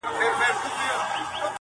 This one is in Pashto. څوك وتلى په شل ځله تر تلك دئ٫